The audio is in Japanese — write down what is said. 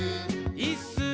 いっすー！